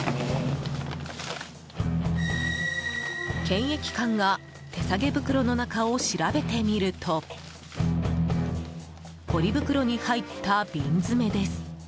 検疫官が手提げ袋の中を調べてみるとポリ袋に入った瓶詰です。